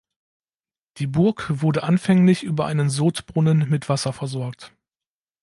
Die Burg wurde anfänglich über einen Sodbrunnen mit Wasser versorgt.